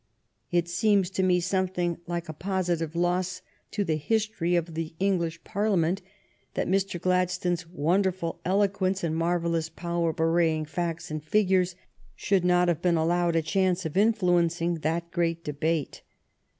It seems to me something like a positive loss to the history of the English Par liament that Mr. Gladstone s wonderful eloquence and marvellous power of arraying facts and figures should not have been allowed a chance of influ encing that great debate.